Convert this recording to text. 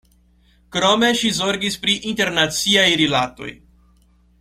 Krome ŝi zorgis pri internaciaj rilatoj.